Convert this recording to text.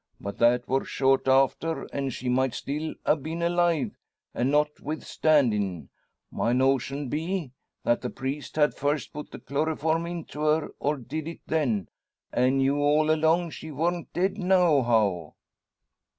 But that wor short after, an' she might still a' ben alive not with standin'. My notion be, that the priest had first put the chloryform into her, or did it then, an' knew all along she warn't dead, nohow."